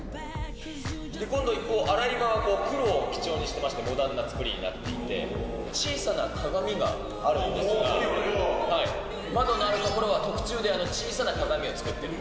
今度一方、洗い場は黒を基調にしていまして、モダンな造りになっていて、小さな鏡があるんですが、窓のある所は特注で小さな鏡を作ってる。